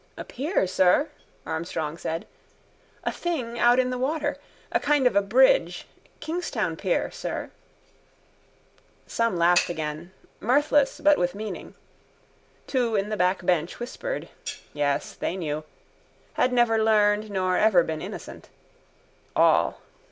—A pier, sir, Armstrong said. A thing out in the water. A kind of a bridge. Kingstown pier, sir. Some laughed again: mirthless but with meaning. Two in the back bench whispered. Yes. They knew: had never learned nor ever been innocent. All.